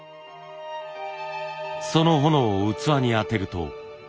その炎を器に当てると。